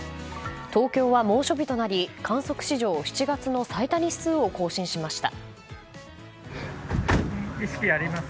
東京は猛暑日となり、観測史上７月の最多日数を更新しました。